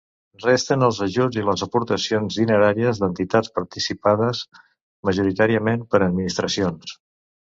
Resten els ajuts i les aportacions dineràries d'entitats participades majoritàriament per administracions.